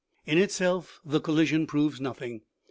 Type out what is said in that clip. In itself the collision proves nothing.